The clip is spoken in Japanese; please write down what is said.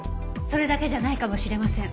それだけじゃないかもしれません。